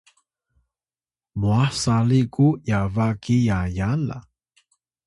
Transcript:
mwah sali ku yaba ki yaya la